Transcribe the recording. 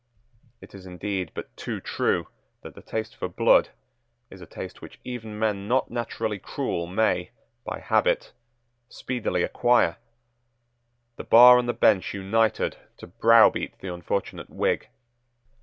It is indeed but too true that the taste for blood is a taste which even men not naturally cruel may, by habit, speedily acquire. The bar and the bench united to browbeat the unfortunate Whig.